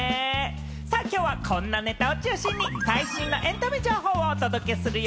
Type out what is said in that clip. さぁ、きょうはこんなネタを中心に最新のエンタメ情報をお届けするよ。